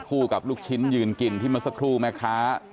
คู่กับลูกชิ้นยืนกินที่เมื่อสักครู่ไหมคะ